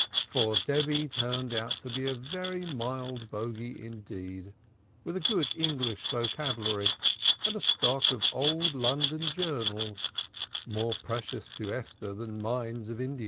For Debby turned out a very mild bogie, indeed, with a good English vocabulary and a stock of old London Journals, more precious to Esther than mines of Ind.